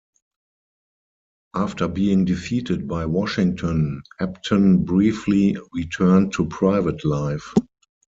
After being defeated by Washington, Epton briefly returned to private life.